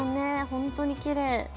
本当にきれい。